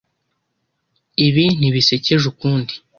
Ibi ntibisekeje ukundi.